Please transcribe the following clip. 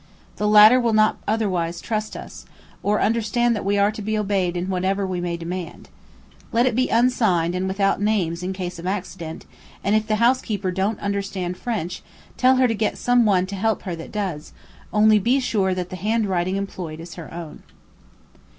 The latter will not otherwise trust us, or understand that we are to be obeyed in whatever we may demand. Let it be unsigned and without names in case of accident; and if the housekeeper don't understand French, tell her to get some one to help her that does, only be sure that the handwriting employed is her own."